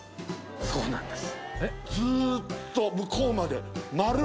そうなんです。